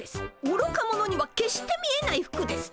おろか者には決して見えない服です。